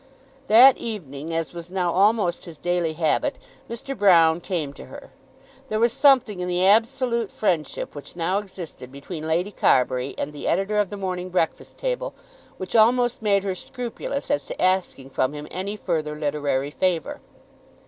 That evening, as was now almost his daily habit, Mr. Broune came to her. There was something in the absolute friendship which now existed between Lady Carbury and the editor of the "Morning Breakfast Table," which almost made her scrupulous as to asking from him any further literary favour.